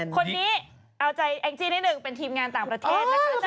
คนนี้เอาใจแองจี้นิดหนึ่งเป็นทีมงานต่างประเทศนะคะ